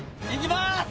「いきます！」